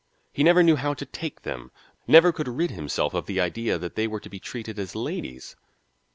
He never knew how to take them, never could rid himself of the idea that they were to be treated as ladies.